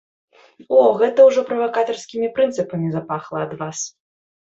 О, гэта ўжо правакатарскімі прынцыпамі запахла ад вас!